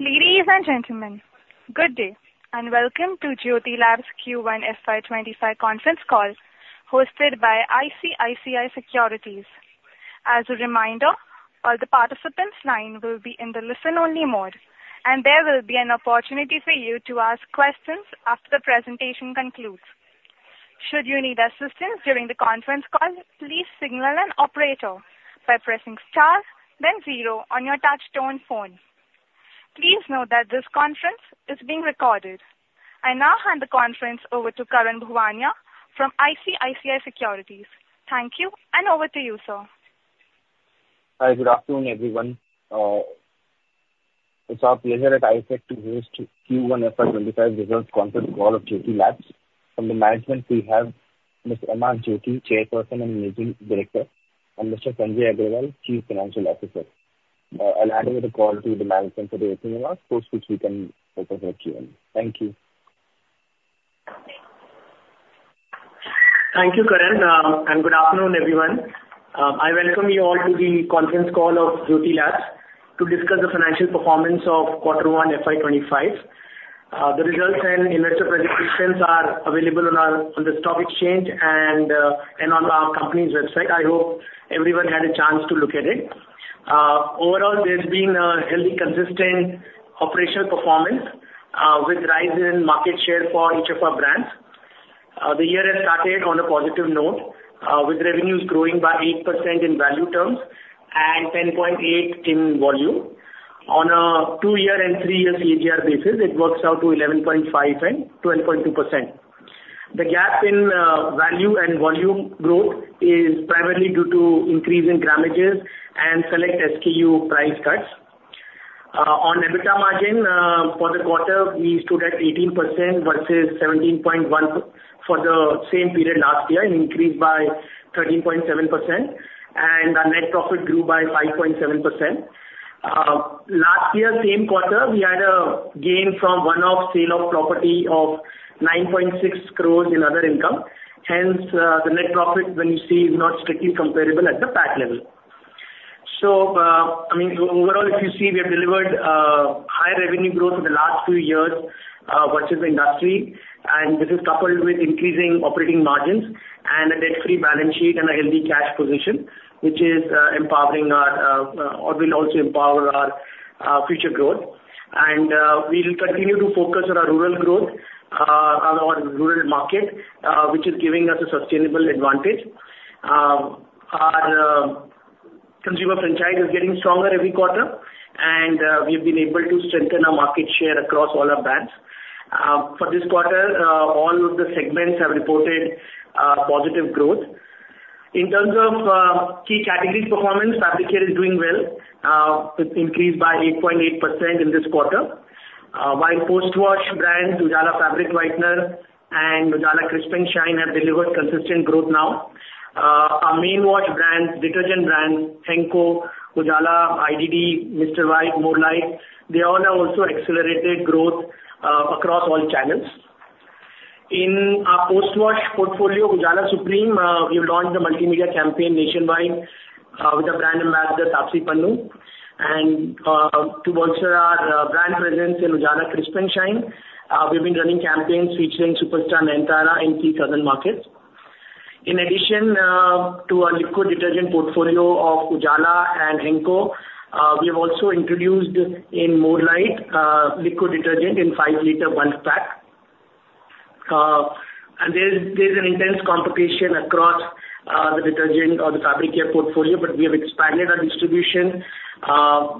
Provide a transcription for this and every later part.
Ladies and gentlemen, good day, and welcome to Jyothy Labs Q1 FY25 conference call hosted by ICICI Securities. As a reminder, all the participants' lines will be in the listen-only mode, and there will be an opportunity for you to ask questions after the presentation concludes. Should you need assistance during the conference call, please signal an operator by pressing star, then zero on your touch-tone phone. Please note that this conference is being recorded. I now hand the conference over to Karan Bhuwania from ICICI Securities. Thank you, and over to you, sir. Hi, good afternoon, everyone. It's our pleasure at ISEC to host Q1 FY25 Results Conference Call of Jyothy Labs. From the management, we have Ms. M. R. Jyothy, Chairperson and Managing Director, and Mr. Sanjay Agarwal, Chief Financial Officer. I'll hand over the call to the management for the opening remarks, post which we can open for Q&A. Thank you. Thank you, Karan, and good afternoon, everyone. I welcome you all to the Conference Call of Jyothy Labs to discuss the financial performance of Q1 FY25. The results and investor presentations are available on the stock exchange and on our company's website. I hope everyone had a chance to look at it. Overall, there's been a healthy, consistent operational performance with rise in market share for each of our brands. The year has started on a positive note, with revenues growing by 8% in value terms and 10.8% in volume. On a two-year and three-year CAGR basis, it works out to 11.5% and 12.2%. The gap in value and volume growth is primarily due to increasing grammages and select SKU price cuts. On EBITDA margin, for the quarter, we stood at 18% versus 17.1% for the same period last year, an increase by 13.7%, and our net profit grew by 5.7%. Last year, same quarter, we had a gain from one-off sale of property of 9.6 crores in other income. Hence, the net profit, when you see, is not strictly comparable at the PAT level. So, I mean, overall, if you see, we have delivered high revenue growth in the last few years versus the industry, and this is coupled with increasing operating margins and a debt-free balance sheet and a healthy cash position, which is empowering our or will also empower our future growth. We'll continue to focus on our rural growth, our rural market, which is giving us a sustainable advantage. Our consumer franchise is getting stronger every quarter, and we have been able to strengthen our market share across all our brands. For this quarter, all of the segments have reported positive growth. In terms of key categories performance, fabric share is doing well, with an increase by 8.8% in this quarter, while post-wash brands Ujala Fabric Whitener and Ujala Crisp & Shine have delivered consistent growth now. Our main wash brands, detergent brands Henko, Ujala IDD, Mr. White, More Light, they all have also accelerated growth across all channels. In our post-wash portfolio, Ujala Supreme, we've launched a multimedia campaign nationwide with a brand ambassador, Taapsee Pannu, and to bolster our brand presence in Ujala Crisp & Shine, we've been running campaigns featuring superstar Nayanthara in key southern markets. In addition to our liquid detergent portfolio of Ujala and Henko, we have also introduced More Light liquid detergent in 5-liter bulk pack. There's an intense competition across the detergent or the fabric care portfolio, but we have expanded our distribution. A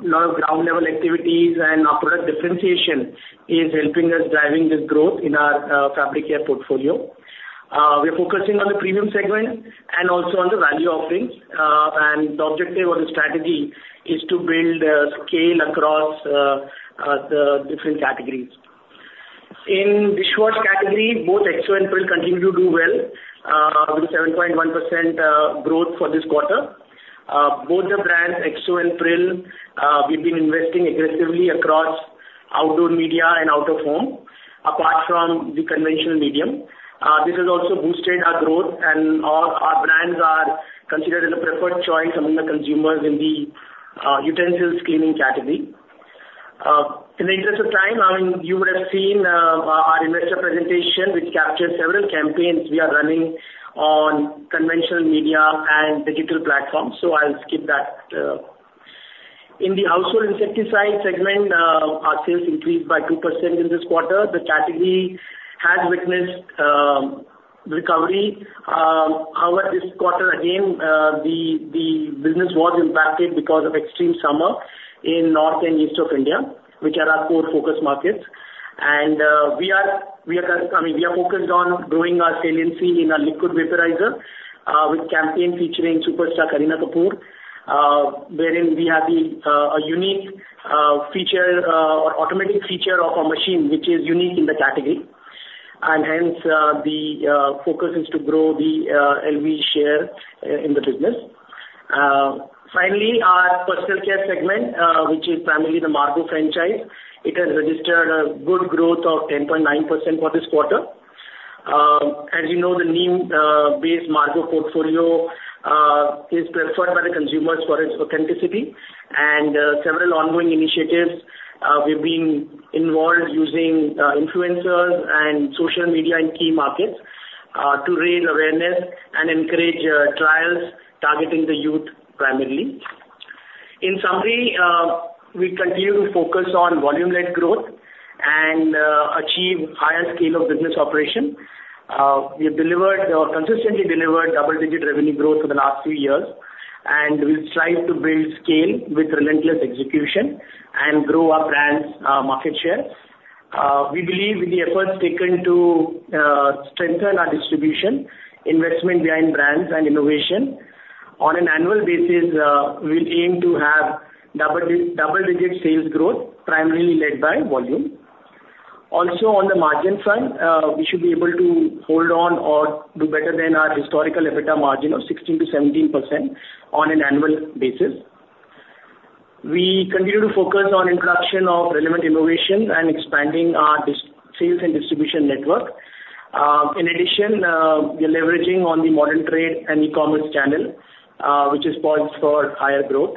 lot of ground-level activities and our product differentiation is helping us drive this growth in our fabric care portfolio. We are focusing on the premium segment and also on the value offerings, and the objective or the strategy is to build scale across the different categories. In the dishwash category, both Exo and Pril continue to do well with a 7.1% growth for this quarter. Both the brands Exo and Pril, we've been investing aggressively across outdoor media and out of home, apart from the conventional medium. This has also boosted our growth, and our brands are considered as a preferred choice among the consumers in the utensils cleaning category. In the interest of time, I mean, you would have seen our investor presentation, which captures several campaigns we are running on conventional media and digital platforms, so I'll skip that. In the household insecticide segment, our sales increased by 2% in this quarter. The category has witnessed recovery. However, this quarter, again, the business was impacted because of extreme summer in North and East India, which are our core focus markets. We are focused on growing our saliency in our liquid vaporizer with a campaign featuring superstar Kareena Kapoor, wherein we have a unique feature or automatic feature of our machine, which is unique in the category. Hence, the focus is to grow the LV share in the business. Finally, our personal care segment, which is primarily the Margo franchise, it has registered a good growth of 10.9% for this quarter. As you know, the Neem-based Margo portfolio is preferred by the consumers for its authenticity, and several ongoing initiatives, we've been involved using influencers and social media in key markets to raise awareness and encourage trials targeting the youth primarily. In summary, we continue to focus on volume-led growth and achieve higher scale of business operation. We have consistently delivered double-digit revenue growth for the last few years, and we strive to build scale with relentless execution and grow our brand's market share. We believe in the efforts taken to strengthen our distribution, investment behind brands, and innovation. On an annual basis, we'll aim to have double-digit sales growth, primarily led by volume. Also, on the margin front, we should be able to hold on or do better than our historical EBITDA margin of 16%-17% on an annual basis. We continue to focus on the introduction of relevant innovation and expanding our sales and distribution network. In addition, we are leveraging on the modern trade and e-commerce channel, which is positive for higher growth.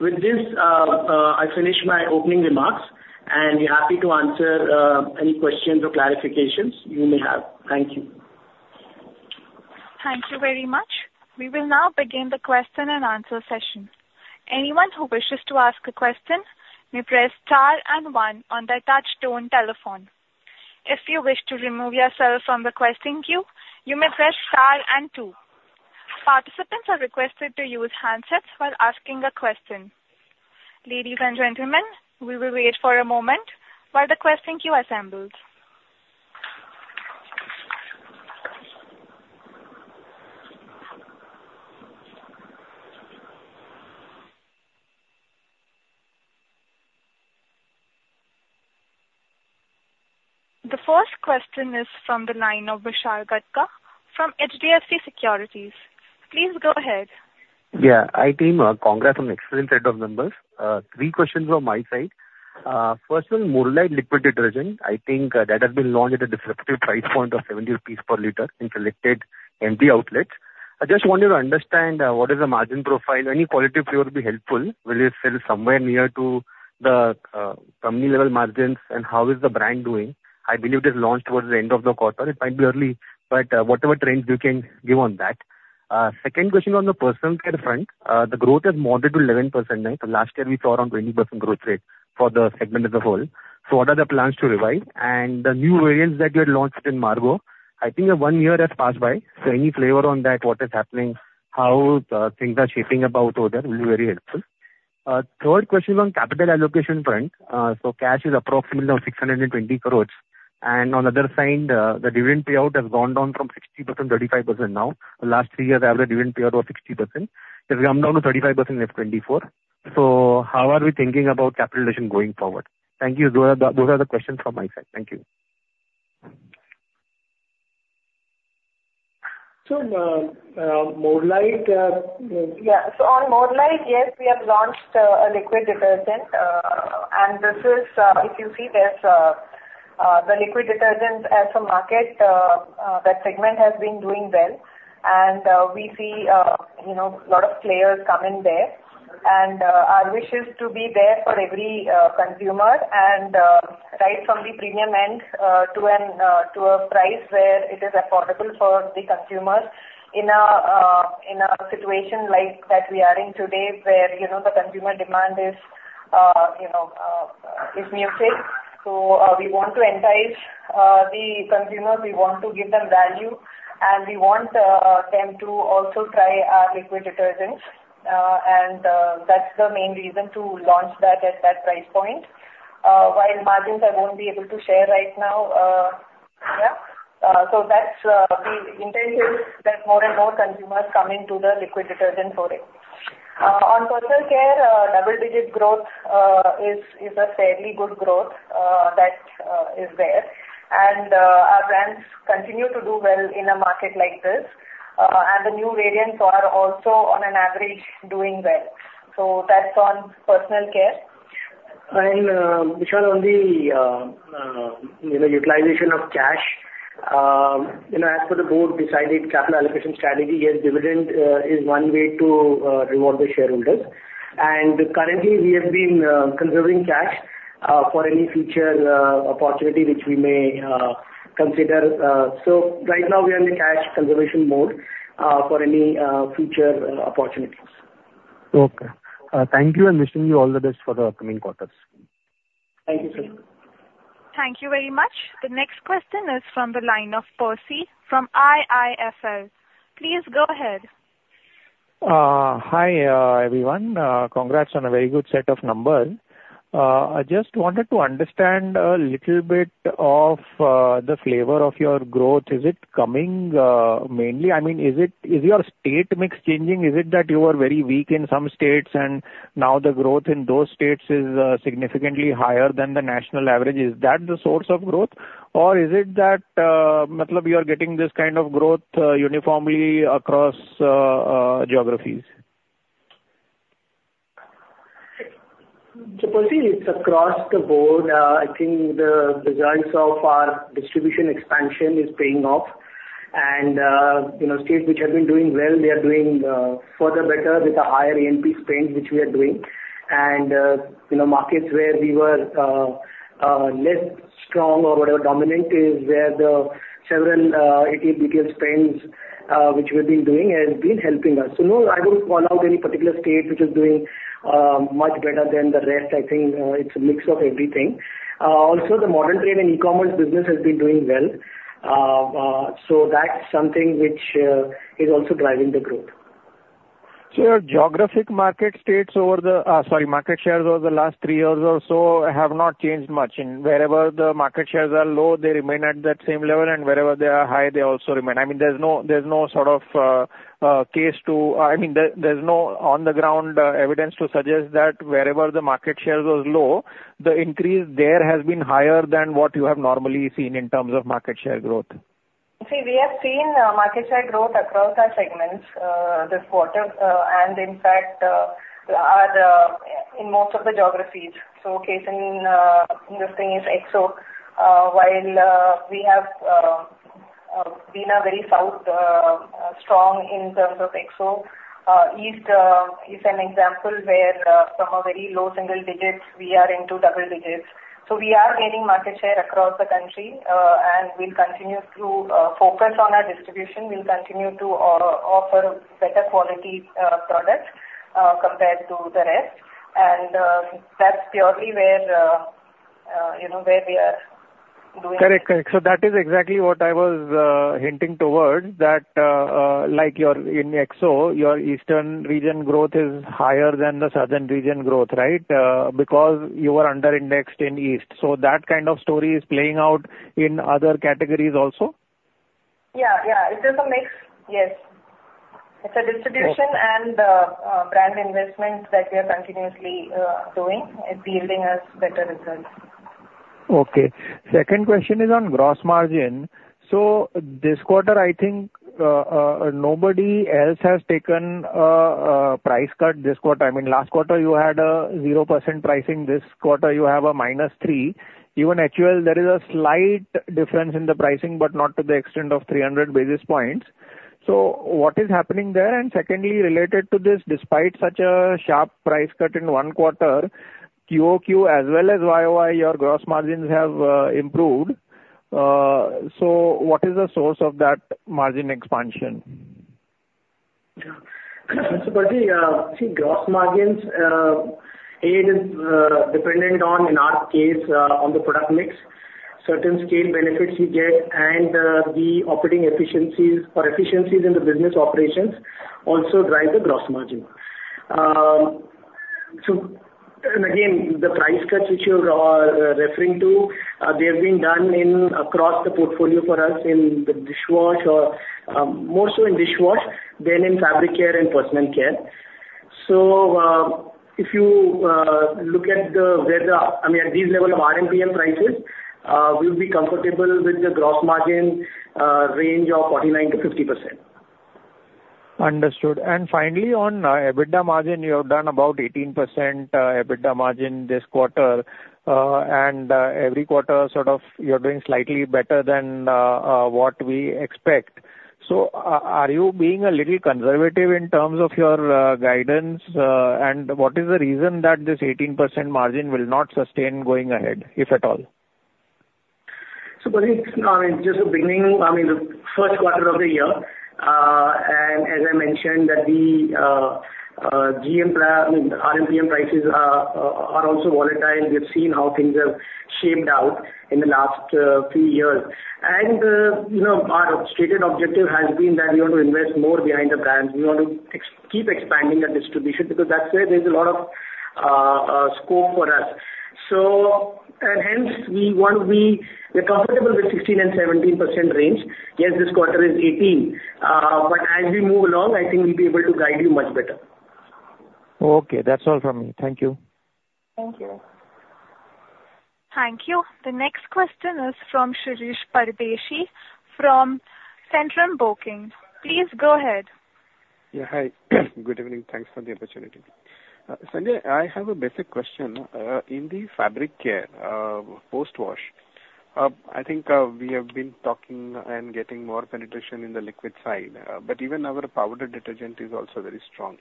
With this, I finish my opening remarks, and I'm happy to answer any questions or clarifications you may have. Thank you. Thank you very much. We will now begin the question-and-answer session. Anyone who wishes to ask a question may press star and one on their touch-tone telephone. If you wish to remove yourself from the question queue, you may press star and two. Participants are requested to use handsets while asking a question. Ladies and gentlemen, we will wait for a moment while the question queue assembles. The first question is from the line of Vishal Gutka from HDFC Securities. Please go ahead. Yeah, I think congrats on the excellent set of numbers. Three questions from my side. First, on More Light liquid detergent, I think that has been launched at a disruptive price point of 70 rupees per liter in selected MT outlets. I just wanted to understand what is the margin profile. Any quality of flavor would be helpful. Will it sell somewhere near to the company-level margins, and how is the brand doing? I believe it is launched towards the end of the quarter. It might be early, but whatever trends you can give on that. Second question on the personal care front, the growth has moderated to 11%. Last year, we saw around 20% growth rate for the segment as a whole. So what are the plans to revise? And the new variants that you had launched in Margo, I think a one year has passed by. Any flavor on that, what is happening, how things are shaping up over there, will be very helpful. Third question on capital allocation front. Cash is approximately around 620 crore, and on the other side, the dividend payout has gone down from 60% to 35% now. The last three years, average dividend payout was 60%. It has come down to 35% in FY24. How are we thinking about capital allocation going forward? Thank you. Those are the questions from my side. Thank you. More Light. Yeah. So on More Light, yes, we have launched a liquid detergent, and this is, if you see, there's the liquid detergent as a market, that segment has been doing well, and we see a lot of players coming there. And our wish is to be there for every consumer and right from the premium end to a price where it is affordable for the consumers in a situation like that we are in today where the consumer demand is muted. So we want to entice the consumers. We want to give them value, and we want them to also try our liquid detergents. And that's the main reason to launch that at that price point. While margins are going to be able to share right now, yeah. So we intend to get more and more consumers coming to the liquid detergent for it. On personal care, double-digit growth is a fairly good growth that is there, and our brands continue to do well in a market like this. The new variants are also on an average doing well. That's on personal care. Vishal, on the utilization of cash, as for the board decided capital allocation strategy, yes, dividend is one way to reward the shareholders. Currently, we have been conserving cash for any future opportunity which we may consider. Right now, we are in the cash conservation mode for any future opportunities. Okay. Thank you, and wishing you all the best for the coming quarters. Thank you, sir. Thank you very much. The next question is from the line of Percy from IIFL. Please go ahead. Hi everyone. Congrats on a very good set of numbers. I just wanted to understand a little bit of the flavor of your growth. Is it coming mainly? I mean, is your state mix changing? Is it that you were very weak in some states, and now the growth in those states is significantly higher than the national average? Is that the source of growth, or is it that you are getting this kind of growth uniformly across geographies? To Percy, it's across the board. I think the results of our distribution expansion is paying off, and states which have been doing well, they are doing further better with the higher A&P spend which we are doing. And markets where we were less strong or whatever dominant is where the several A&P detailed spends which we have been doing has been helping us. So no, I don't call out any particular state which is doing much better than the rest. I think it's a mix of everything. Also, the modern trade and e-commerce business has been doing well. So that's something which is also driving the growth. So, your market shares over the last three years or so have not changed much. Wherever the market shares are low, they remain at that same level, and wherever they are high, they also remain. I mean, there's no on-the-ground evidence to suggest that wherever the market shares were low, the increase there has been higher than what you have normally seen in terms of market share growth. See, we have seen market share growth across our segments this quarter, and in fact, in most of the geographies. So the case in this thing is Exo, while we have been very strong in the South in terms of Exo. East is an example where from a very low single digit, we are into double digits. So we are gaining market share across the country, and we'll continue to focus on our distribution. We'll continue to offer better quality products compared to the rest, and that's purely where we are doing. Correct. Correct. So that is exactly what I was hinting towards, that like in Exo, your eastern region growth is higher than the southern region growth, right? Because you are under-indexed in east. So that kind of story is playing out in other categories also? Yeah. Yeah. It is a mix. Yes. It's a distribution and brand investment that we are continuously doing, yielding us better results. Okay. Second question is on gross margin. So this quarter, I think nobody else has taken a price cut this quarter. I mean, last quarter, you had a 0% pricing. This quarter, you have a -3%. Even actually, there is a slight difference in the pricing, but not to the extent of 300 basis points. So what is happening there? And secondly, related to this, despite such a sharp price cut in one quarter, QOQ as well as YOY, your gross margins have improved. So what is the source of that margin expansion? So Percy, see, gross margins, a, it is dependent on, in our case, on the product mix. Certain scale benefits you get, and the operating efficiencies or efficiencies in the business operations also drive the gross margin. And again, the price cuts which you are referring to, they have been done across the portfolio for us in the dishwasher, more so in dishwasher than in fabric care and personal care. So if you look at the—I mean, at this level of RMPM prices, we would be comfortable with the gross margin range of 49%-50%. Understood. And finally, on EBITDA margin, you have done about 18% EBITDA margin this quarter, and every quarter sort of you're doing slightly better than what we expect. So are you being a little conservative in terms of your guidance, and what is the reason that this 18% margin will not sustain going ahead, if at all? So Percy, I mean, just the beginning, I mean, the first quarter of the year, and as I mentioned, that the RMPM prices are also volatile. We have seen how things have shaped out in the last few years. Our stated objective has been that we want to invest more behind the brands. We want to keep expanding the distribution because that's where there's a lot of scope for us. Hence, we want to be comfortable with 16%-17% range. Yes, this quarter is 18%, but as we move along, I think we'll be able to guide you much better. Okay. That's all from me. Thank you. Thank you. Thank you. The next question is from Shirish Pardeshi from Centrum Broking. Please go ahead. Yeah. Hi. Good evening. Thanks for the opportunity. Sanjay, I have a basic question. In the fabric care, post-wash, I think we have been talking and getting more penetration in the liquid side, but even our powder detergent is also very strong.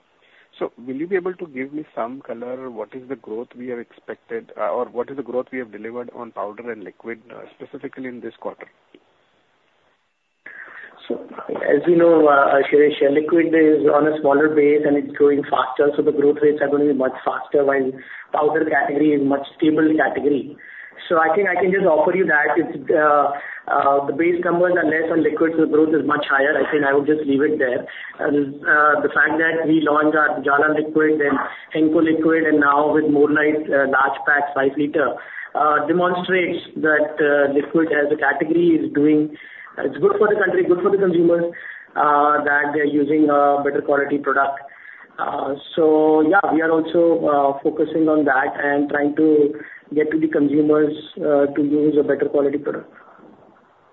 So will you be able to give me some color what is the growth we have expected or what is the growth we have delivered on powder and liquid, specifically in this quarter? So as you know, Shirish, liquid is on a smaller base, and it's growing faster. So the growth rates are going to be much faster while powder category is a much stable category. So I think I can just offer you that the base numbers are less on liquid, so the growth is much higher. I think I will just leave it there. The fact that we launched our Ujala liquid and Henko liquid, and now with More Light large pack, 5-liter, demonstrates that liquid as a category is doing. It's good for the country, good for the consumers that they're using a better quality product. So yeah, we are also focusing on that and trying to get to the consumers to use a better quality product.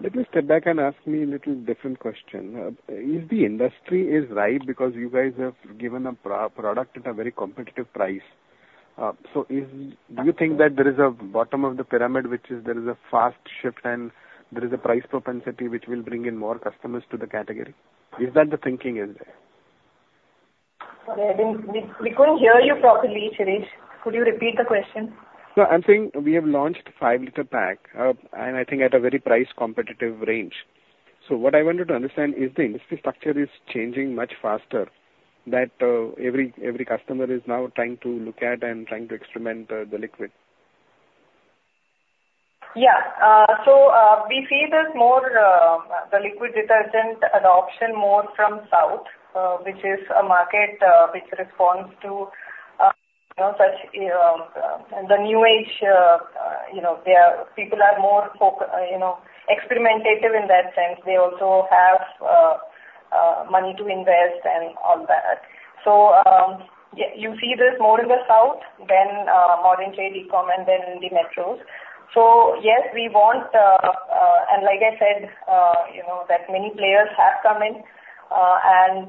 Let me step back and ask you a little different question. Is the industry right because you guys have given a product at a very competitive price? So do you think that there is a bottom of the pyramid which is there is a fast shift and there is a price propensity which will bring in more customers to the category? Is that the thinking in there? We couldn't hear you properly, Shirish. Could you repeat the question? I'm saying we have launched a 5-liter pack, and I think, at a very price-competitive range. What I wanted to understand is the industry structure is changing much faster than every customer is now trying to look at and trying to experiment the liquid. Yeah. So we see this more the liquid detergent adoption more from south, which is a market which responds to such the new age where people are more experimentative in that sense. They also have money to invest and all that. So you see this more in the south than modern trade e-com and then the metros. So yes, we want, and like I said, that many players have come in. And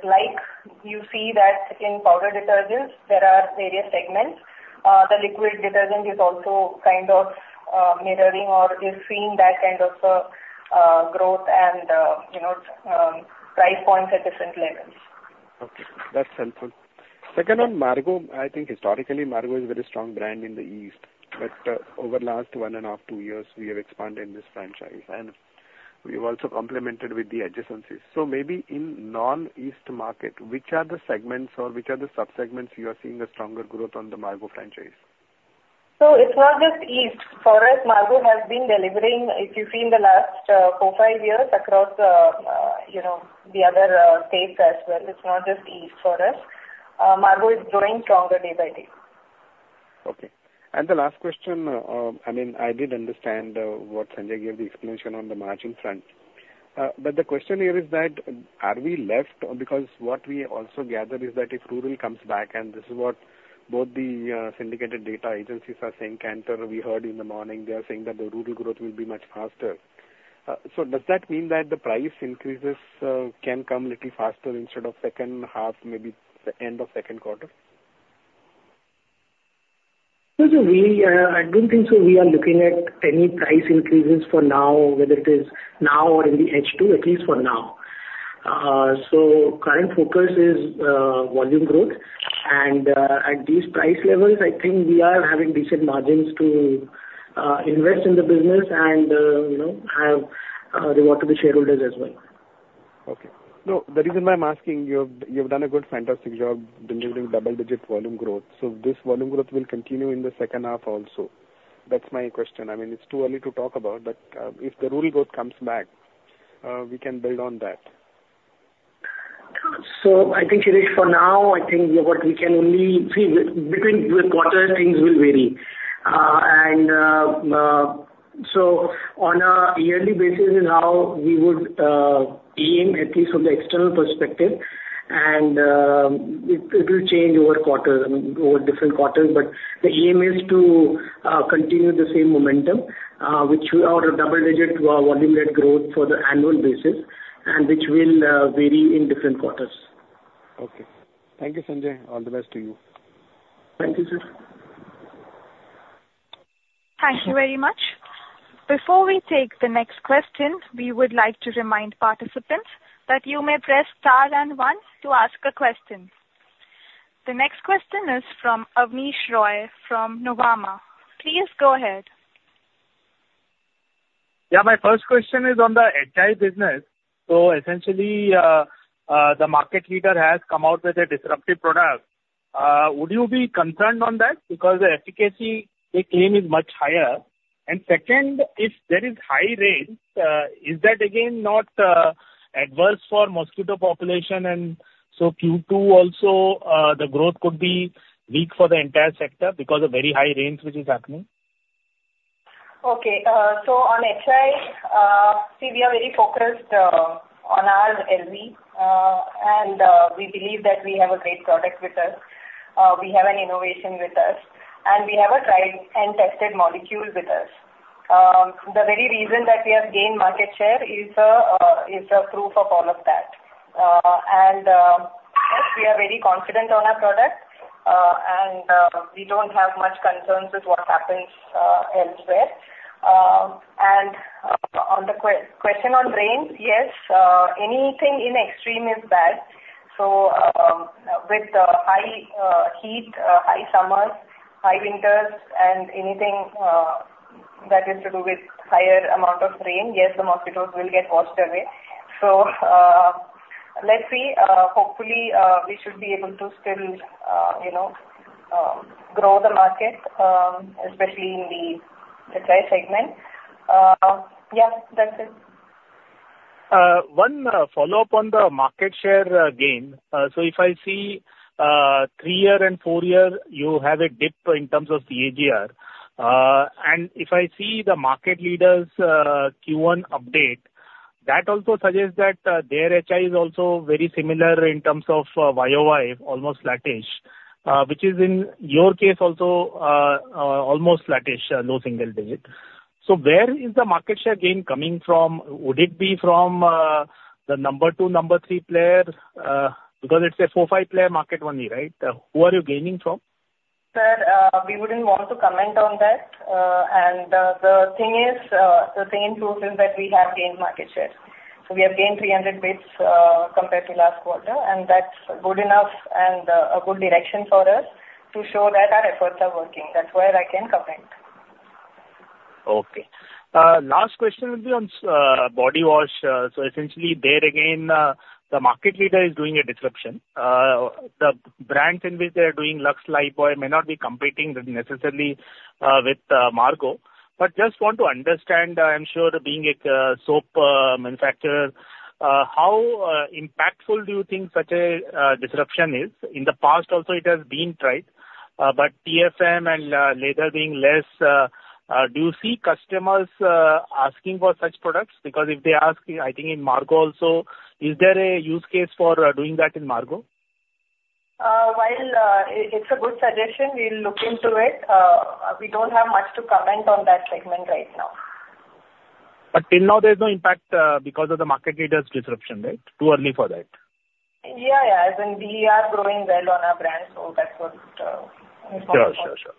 like you see that in powder detergents, there are various segments. The liquid detergent is also kind of mirroring or is seeing that kind of growth and price points at different levels. Okay. That's helpful. Second on Margo, I think historically, Margo is a very strong brand in the East, but over the last 1.5-2 years, we have expanded this franchise, and we have also complemented with the adjacencies. So maybe in non-East market, which are the segments or which are the subsegments you are seeing a stronger growth on the Margo franchise? It's not just east. For us, Margo has been delivering, if you see, in the last 4, 5 years across the other states as well. It's not just east for us. Margo is growing stronger day by day. Okay. The last question, I mean, I did understand what Sanjay gave the explanation on the margin front, but the question here is, are we left because what we also gather is that if rural comes back, and this is what both the syndicated data agencies are saying, Kantar, we heard in the morning, they are saying that the rural growth will be much faster. So does that mean that the price increases can come a little faster instead of second half, maybe the end of second quarter? So I don't think so we are looking at any price increases for now, whether it is now or in the H2, at least for now. So current focus is volume growth, and at these price levels, I think we are having decent margins to invest in the business and have reward to the shareholders as well. Okay. No, the reason why I'm asking, you have done a good fantastic job delivering double-digit volume growth. So this volume growth will continue in the second half also. That's my question. I mean, it's too early to talk about, but if the rural growth comes back, we can build on that. So I think, Shirish, for now, I think what we can only see between the quarters, things will vary. And so on a yearly basis is how we would aim, at least from the external perspective, and it will change over quarters, over different quarters. But the aim is to continue the same momentum, which we are a double-digit volume-led growth for the annual basis, and which will vary in different quarters. Okay. Thank you, Sanjay. All the best to you. Thank you, sir. Thank you very much. Before we take the next question, we would like to remind participants that you may press star and one to ask a question. The next question is from Abneesh Roy from Nuvama. Please go ahead. Yeah. My first question is on the HI business. So essentially, the market leader has come out with a disruptive product. Would you be concerned on that? Because the efficacy they claim is much higher. And second, if there is high rain, is that again not adverse for mosquito population? And so Q2 also, the growth could be weak for the entire sector because of very high rain which is happening. Okay. So on HI, see, we are very focused on our LV, and we believe that we have a great product with us. We have an innovation with us, and we have a tried-and-tested molecule with us. The very reason that we have gained market share is a proof of all of that. And yes, we are very confident on our product, and we don't have much concerns with what happens elsewhere. And on the question on rain, yes, anything in extreme is bad. So with the high heat, high summers, high winters, and anything that has to do with higher amount of rain, yes, the mosquitoes will get washed away. So let's see. Hopefully, we should be able to still grow the market, especially in the HI segment. Yeah. That's it. One follow-up on the market share gain. So if I see three-year and four-year, you have a dip in terms of the CAGR. And if I see the market leader's Q1 update, that also suggests that their HI is also very similar in terms of YOY, almost flattish, which is in your case also almost flattish, low single digit. So where is the market share gain coming from? Would it be from the number two, number three player? Because it's a four, five-player market only, right? Who are you gaining from? Sir, we wouldn't want to comment on that. The thing is, the thing in truth is that we have gained market share. We have gained 300 basis points compared to last quarter, and that's good enough and a good direction for us to show that our efforts are working. That's where I can comment. Okay. Last question would be on body wash. So essentially, there again, the market leader is doing a disruption. The brands in which they are doing Lux, Lifebuoy may not be competing necessarily with Margo. But just want to understand, I'm sure, being a soap manufacturer, how impactful do you think such a disruption is? In the past, also, it has been tried, but TFM and lather being less, do you see customers asking for such products? Because if they ask, I think in Margo also, is there a use case for doing that in Margo? While it's a good suggestion, we'll look into it. We don't have much to comment on that segment right now. But till now, there's no impact because of the market leader's disruption, right? Too early for that. Yeah. Yeah. As in, we are growing well on our brand, so that's what we want to. Sure. Sure. Sure.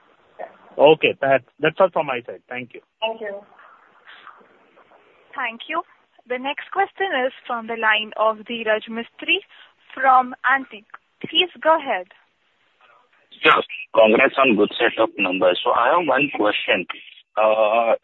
Okay. That's all from my side. Thank you. Thank you. Thank you. The next question is from the line of Dhiraj Mistry from Antique. Please go ahead. Yes. Congrats on good set of numbers. So I have 1 question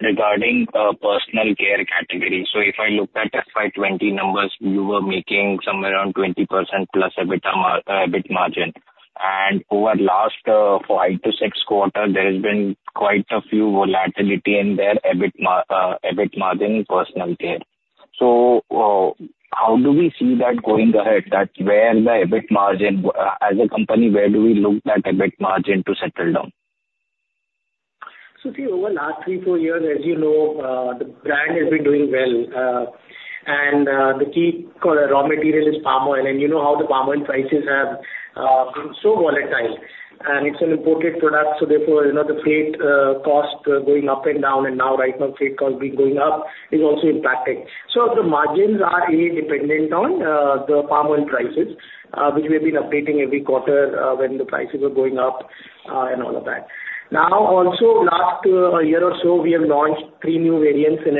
regarding personal care category. So if I look at FY2020 numbers, you were making somewhere around 20%+ EBIT margin. And over the last 5-6 quarters, there has been quite a few volatility in their EBIT margin personal care. So how do we see that going ahead? That's where the EBIT margin as a company, where do we look that EBIT margin to settle down? So see, over the last 3-4 years, as you know, the brand has been doing well. The key raw material is palm oil. You know how the palm oil prices have been so volatile. It's an imported product. So therefore, the freight cost going up and down, and now right now, freight cost being going up is also impacted. The margins are independent on the palm oil prices, which we have been updating every quarter when the prices are going up and all of that. Now, also last year or so, we have launched 3 new variants in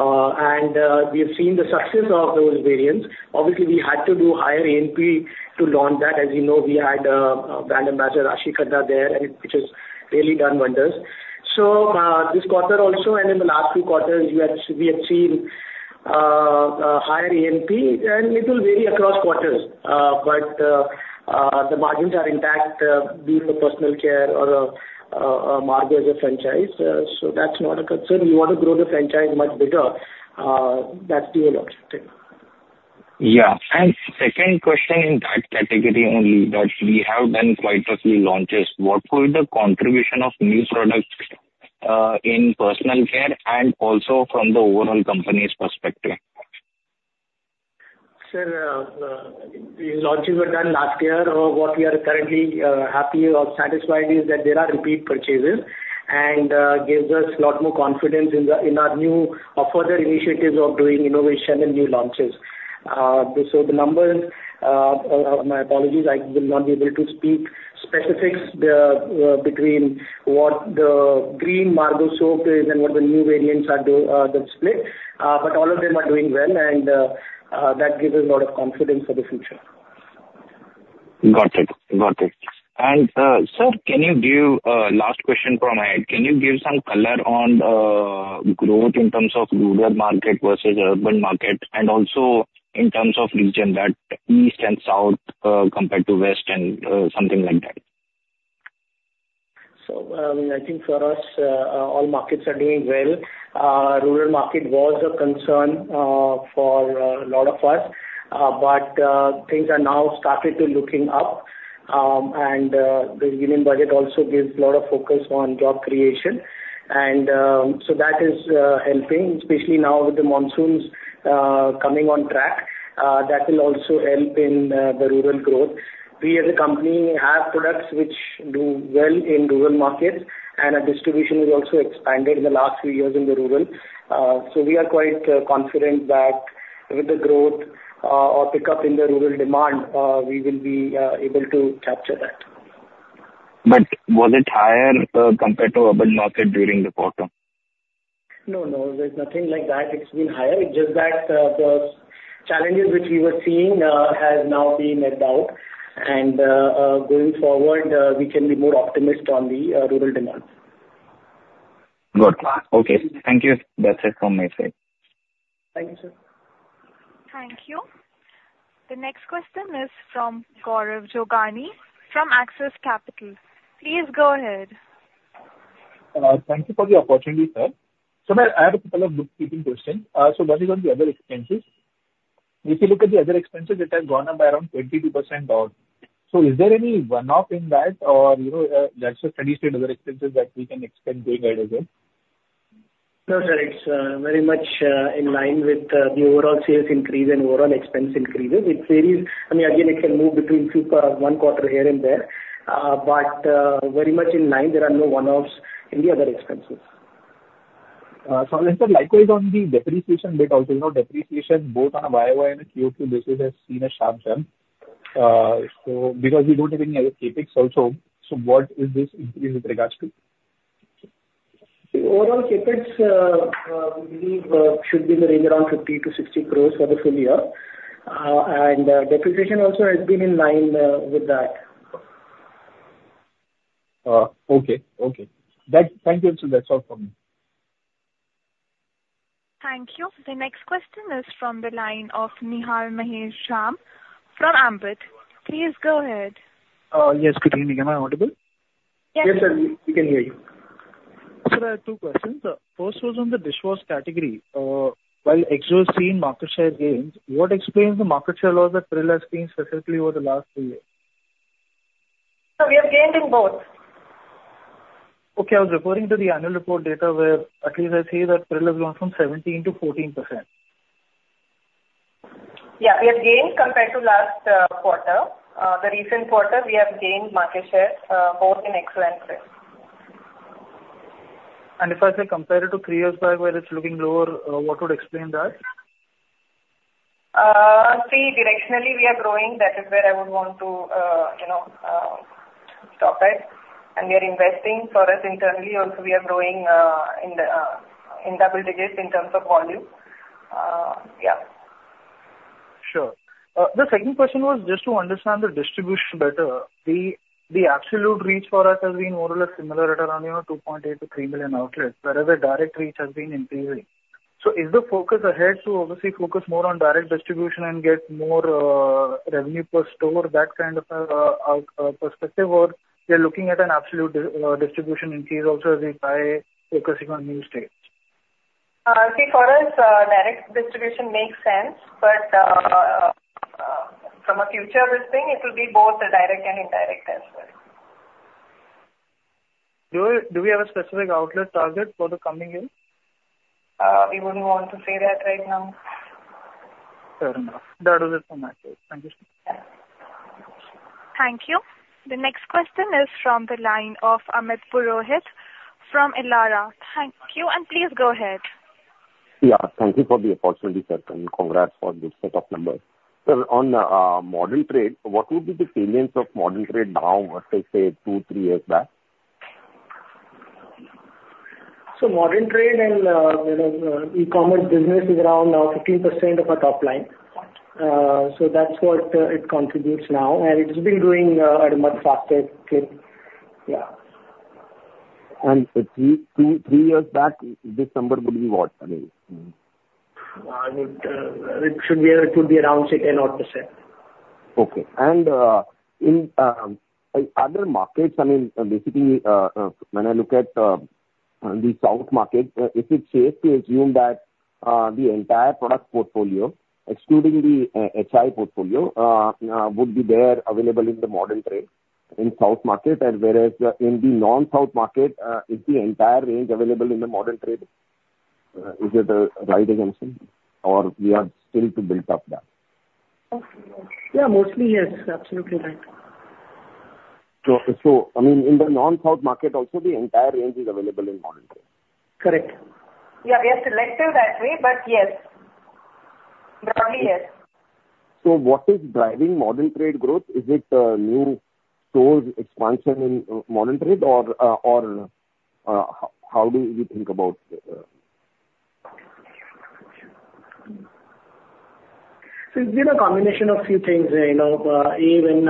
it, and we have seen the success of those variants. Obviously, we had to do higher A&P to launch that. As you know, we had a brand ambassador, Raashi Khanna there, which has really done wonders. So this quarter also, and in the last few quarters, we have seen higher A&P, and it will vary across quarters, but the margins are intact being the personal care or Margo as a franchise. So that's not a concern. We want to grow the franchise much bigger. That's the overall objective. Yeah. Second question in that category, only that we have done quite a few launches. What would be the contribution of new products in personal care and also from the overall company's perspective? Sir, the launches were done last year, or what we are currently happy or satisfied is that there are repeat purchases, and it gives us a lot more confidence in our new or further initiatives of doing innovation and new launches. So the numbers, my apologies, I will not be able to speak specifics between what the green Margo soap is and what the new variants are that split, but all of them are doing well, and that gives us a lot of confidence for the future. Got it. Got it. Sir, can you give last question from my end? Can you give some color on growth in terms of rural market versus urban market, and also in terms of region, that east and south compared to west and something like that? So I mean, I think for us, all markets are doing well. Rural market was a concern for a lot of us, but things are now started to look up, and the union budget also gives a lot of focus on job creation. And so that is helping, especially now with the monsoons coming on track. That will also help in the rural growth. We as a company have products which do well in rural markets, and our distribution has also expanded in the last few years in the rural. So we are quite confident that with the growth or pickup in the rural demand, we will be able to capture that. Was it higher compared to urban market during the quarter? No, no. There's nothing like that. It's been higher. It's just that the challenges which we were seeing have now been met out. Going forward, we can be more optimistic on the rural demand. Good. Okay. Thank you. That's it from my side. Thank you, sir. Thank you. The next question is from Gaurav Jogani from Axis Capital. Please go ahead. Thank you for the opportunity, sir. So I have a couple of bookkeeping questions. So what is on the other expenses? If you look at the other expenses, it has gone up by around 22% down. So is there any one-off in that, or that's a steady-state other expenses that we can expect going ahead as well? No, sir. It's very much in line with the overall sales increase and overall expense increases. It varies. I mean, again, it can move between one quarter here and there, but very much in line. There are no one-offs in the other expenses. So further, likewise on the depreciation bit also, depreciation both on a YoY and a QoQ basis has seen a sharp jump. So because we don't have any other CapEx also, so what is this increase with regards to? The overall CapEx, we believe, should be in the range around 50-60 crores for the full year. Depreciation also has been in line with that. Okay. Okay. Thank you. So that's all from me. Thank you. The next question is from the line of Nihal Mahesh Jham from Ambit. Please go ahead. Yes. Could you make him audible? Yes. Yes, sir. We can hear you. So there are two questions. First was on the dishwash category. While Exo has seen market share gains, what explains the market share loss that Pril has seen specifically over the last two years? So we have gained in both. Okay. I was referring to the annual report data where at least I see that Pril has gone from 17%-14%. Yeah. We have gained compared to last quarter. The recent quarter, we have gained market share both in Exo and Pril. If I say compared to three years back where it's looking lower, what would explain that? See, directionally, we are growing. That is where I would want to stop at. We are investing. For us internally, also, we are growing in double digits in terms of volume. Yeah. Sure. The second question was just to understand the distribution better. The absolute reach for us has been more or less similar at around 2.8-3 million outlets, whereas the direct reach has been increasing. So is the focus ahead to obviously focus more on direct distribution and get more revenue per store, that kind of perspective, or we are looking at an absolute distribution increase also as we try focusing on new states? See, for us, direct distribution makes sense, but from a future, we're seeing it will be both direct and indirect as well. Do we have a specific outlet target for the coming year? We wouldn't want to say that right now. Fair enough. That was it from my side. Thank you. Thank you. The next question is from the line of Amit Purohit from Elara. Thank you. Please go ahead. Yeah. Thank you for the opportunity, sir. Congrats for the set of numbers. On the modern trade, what would be the salience of modern trade now versus, say, 2, 3 years back? Modern trade and e-commerce business is around 15% of our top line. So that's what it contributes now, and it's been growing a lot faster. Yeah. Two, three years back, this number would be what? I mean. It should be around 10%. Okay. In other markets, I mean, basically, when I look at the south market, is it safe to assume that the entire product portfolio, excluding the HI portfolio, would be there available in the modern trade in south market? Whereas in the non-south market, is the entire range available in the modern trade? Is it a right assumption, or we are still to build up that? Yeah. Mostly, yes. Absolutely right. I mean, in the non-south market, also, the entire range is available in modern trade? Correct. Yeah. We are selective that way, but yes. Broadly, yes. What is driving modern trade growth? Is it new stores expansion in modern trade, or how do you think about? So it's been a combination of a few things. A, when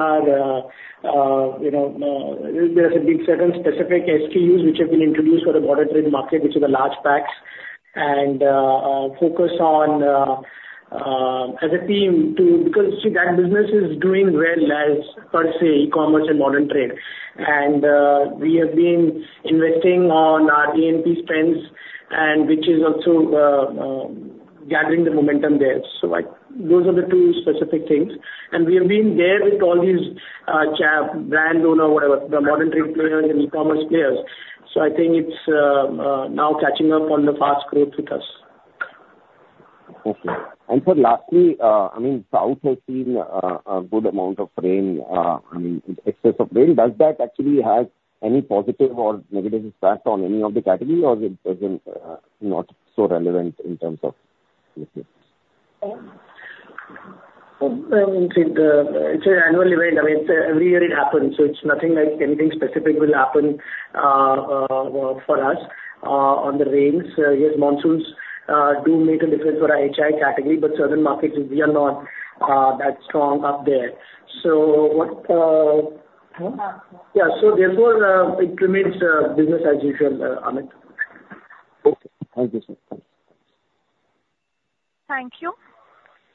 there have been certain specific SKUs which have been introduced for the modern trade market, which are the large packs, and focus on as a team to because that business is doing well as per se, e-commerce and modern trade. And we have been investing on our A&P spends, which is also gathering the momentum there. So those are the two specific things. And we have been there with all these brand owner, whatever, the modern trade players and e-commerce players. So I think it's now catching up on the fast growth with us. Okay. And for lastly, I mean, South has seen a good amount of rain. I mean, excess of rain, does that actually have any positive or negative impact on any of the categories, or it's not so relevant in terms of? It's an annual event. I mean, every year it happens. So it's nothing like anything specific will happen for us on the rains. Yes, monsoons do make a difference for our HI category, but certain markets, we are not that strong up there. So yeah. So therefore, it remains business as usual, Amit. Okay. Thank you, sir. Thanks. Thank you.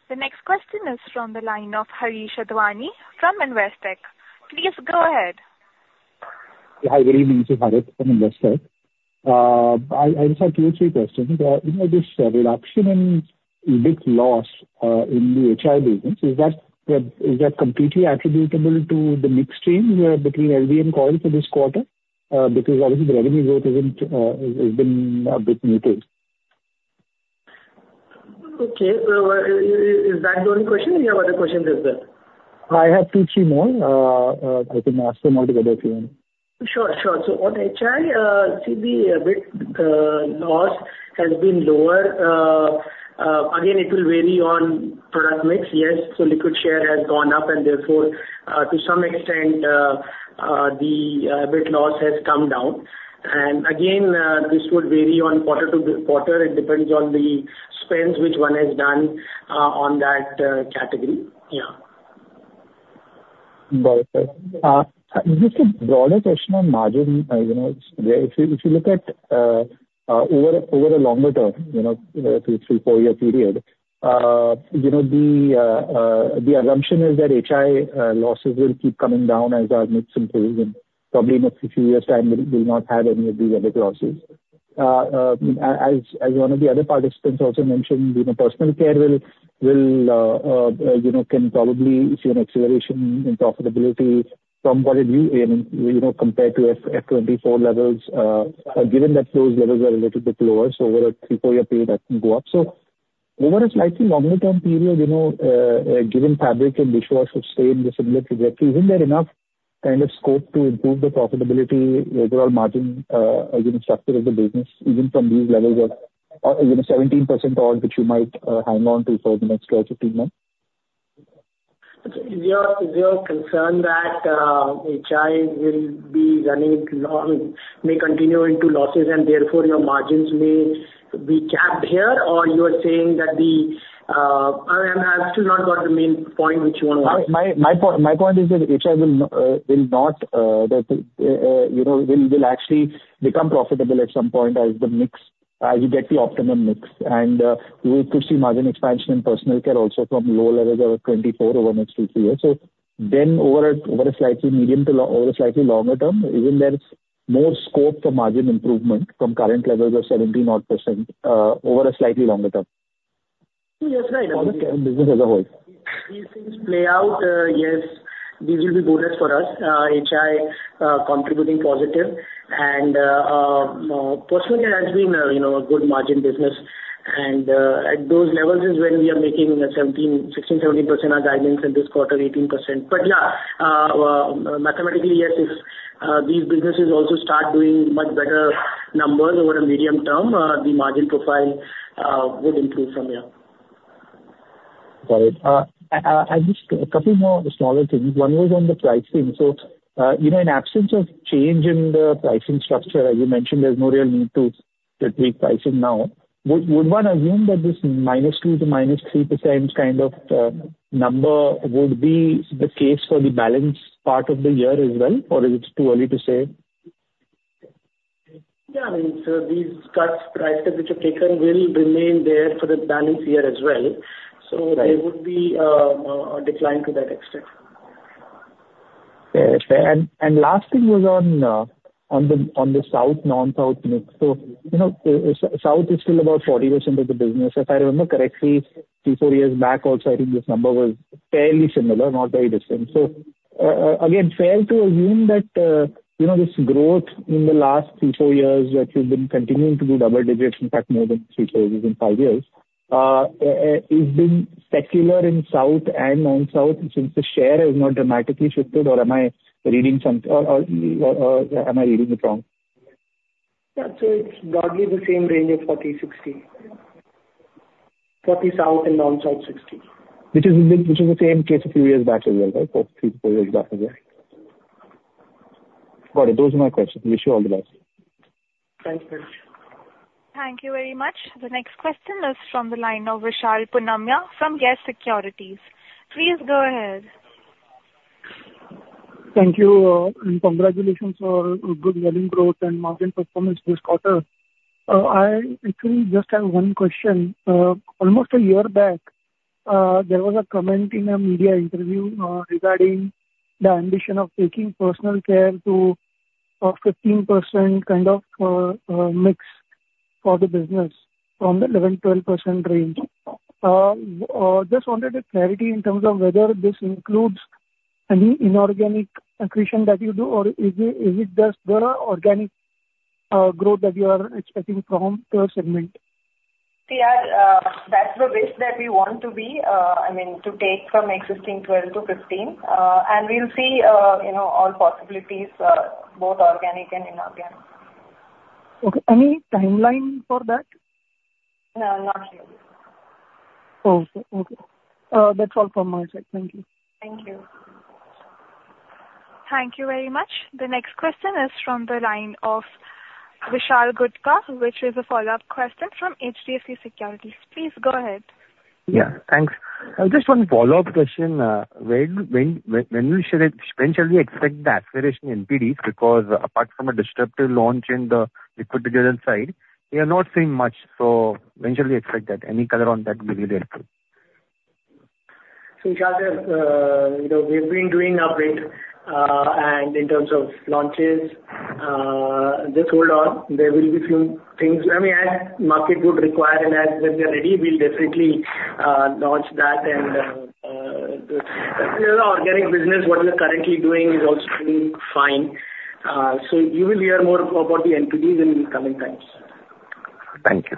The next question is from the line of Harit Kapoor from Investec. Please go ahead. Hi. Good evening. This is Harit from Investec. I just have two or three questions. The reduction in EBIT loss in the HI business, is that completely attributable to the mix shift between LV and coils for this quarter? Because obviously, the revenue growth has been a bit muted. Okay. Is that the only question? We have other questions as well. I have 2, 3 more. I can ask them all together if you want. Sure. Sure. So on HI, see, the EBIT loss has been lower. Again, it will vary on product mix, yes. So liquid share has gone up, and therefore, to some extent, the EBIT loss has come down. And again, this would vary on quarter-to-quarter. It depends on the spends which one has done on that category. Yeah. Got it, sir. Just a broader question on margins. If you look at over a longer term, a 3-4-year period, the assumption is that HI losses will keep coming down as our mix improves. Probably in a few years' time, we will not have any of these EBIT losses. As one of the other participants also mentioned, personal care will can probably see an acceleration in profitability from what it views compared to FY24 levels, given that those levels are a little bit lower. Over a 3-4-year period, that can go up. Over a slightly longer-term period, given fabric and dishwasher spend, the similar trajectory, isn't there enough kind of scope to improve the profitability, overall margin structure of the business, even from these levels of 17% odd, which you might hang on to for the next 12-15 months? Is your concern that HI will be running long, may continue into losses, and therefore your margins may be capped here, or you are saying that the I'm still not got the main point which you want to ask? My point is that HI will not actually become profitable at some point as the mix, as you get the optimum mix. And you will see margin expansion in personal care also from low levels of 24% over the next two, three years. So then over a slightly medium- to slightly longer term, isn't there more scope for margin improvement from current levels of 17% odd over a slightly longer term? That's right. For the business as a whole? These things play out, yes. These will be bonus for us, HI contributing positive. Personal care has been a good margin business. At those levels is when we are making 16%-17% of guidance, and this quarter, 18%. But yeah, mathematically, yes, if these businesses also start doing much better numbers over a medium term, the margin profile would improve from here. Got it. I just have a couple more smaller things. One was on the pricing. So in absence of change in the pricing structure, as you mentioned, there's no real need to tweak pricing now. Would one assume that this -2% to -3% kind of number would be the case for the balance part of the year as well, or is it too early to say? Yeah. I mean, so these cut prices which are taken will remain there for the balance year as well. So there would be a decline to that extent. Fair. Fair. And last thing was on the south, non-south mix. So south is still about 40% of the business. If I remember correctly, three, four years back, also I think this number was fairly similar, not very different. So again, fair to assume that this growth in the last three, four years that you've been continuing to do double digits, in fact, more than three quarters in five years, it's been secular in south and non-south since the share has not dramatically shifted, or am I reading something or am I reading it wrong? Yeah. So it's broadly the same range of 40, 60. 40 South and non-South 60. Which is the same case a few years back as well, right? Three, four years back as well. Got it. Those are my questions. Wish you all the best. Thank you very much. Thank you very much. The next question is from the line of Vishal Punmiya from YES Securities. Please go ahead. Thank you. And congratulations for good revenue growth and margin performance this quarter. I actually just have one question. Almost a year back, there was a comment in a media interview regarding the ambition of taking personal care to a 15% kind of mix for the business from the 11%-12% range. Just wanted a clarity in terms of whether this includes any inorganic accretion that you do, or is it just the organic growth that you are expecting from your segment? See, that's the risk that we want to be, I mean, to take from existing 12 to 15. We'll see all possibilities, both organic and inorganic. Okay. Any timeline for that? No, not yet. Oh, okay. That's all from my side. Thank you. Thank you. Thank you very much. The next question is from the line of Vishal Gutka, which is a follow-up question from HDFC Securities. Please go ahead. Yeah. Thanks. Just one follow-up question. When shall we expect the acceleration in NPDs? Because apart from a disruptive launch in the liquid detergent side, we are not seeing much. So when shall we expect that? Any color on that will be very helpful. So Vishal, we have been doing updates. And in terms of launches, just hold on. There will be a few things. I mean, as market would require, and as we are ready, we'll definitely launch that. And the organic business, what we are currently doing, is also doing fine. So you will hear more about the NPDs in coming times. Thank you.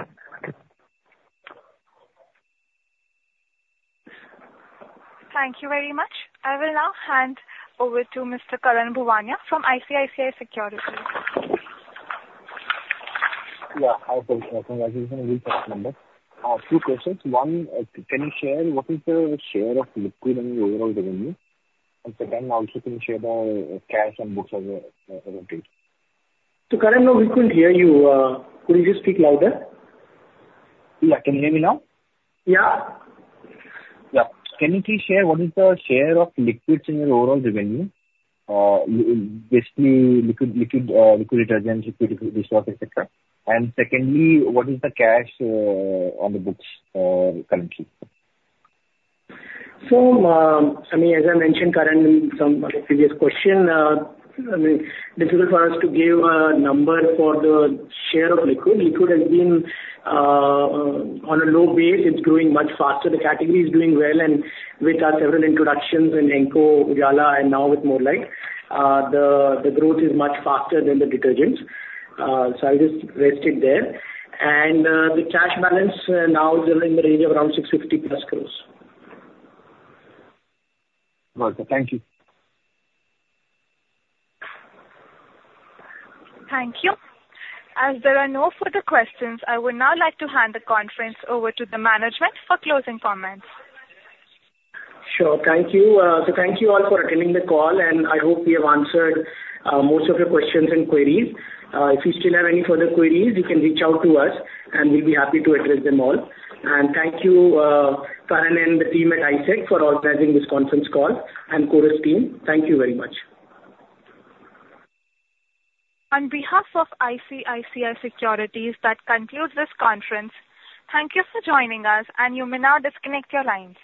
Thank you very much. I will now hand over to Mr. Karan Bhuwania from ICICI Securities. Yeah. I think I'll give you a reach-out number. Two questions. One, can you share what is the share of liquid in the overall revenue? And second, also can you share the cash and books as a rate? Karan, we couldn't hear you. Could you just speak louder? Yeah. Can you hear me now? Yeah. Yeah. Can you please share what is the share of liquids in your overall revenue? Basically, liquid detergents, liquid dishwasher, etc. And secondly, what is the cash on the books currently? So I mean, as I mentioned, Karan, in some of the previous questions, I mean, difficult for us to give a number for the share of liquid. Liquid has been on a low base. It's growing much faster. The category is doing well. And with our several introductions in Exo, Ujala, and now with More Light, the growth is much faster than the detergents. So I'll just leave it there. And the cash balance now is in the range of around 650 crores plus. Got it. Thank you. Thank you. As there are no further questions, I would now like to hand the conference over to the management for closing comments. Sure. Thank you. So thank you all for attending the call. And I hope we have answered most of your questions and queries. If you still have any further queries, you can reach out to us, and we'll be happy to address them all. And thank you, Karan and the team at ISEC for organizing this conference call and Chorus team. Thank you very much. On behalf of ICICI Securities, that concludes this conference. Thank you for joining us, and you may now disconnect your lines.